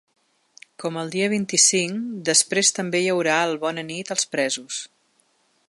Com el dia vint-i-cinc, després també hi haurà el ‘Bona nit’ als presos.